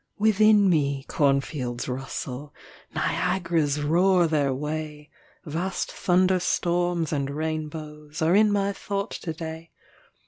Within me cornfields rustle, Niagaras roar their way, Vast thunderstorms and rainbows Are in my thought to day.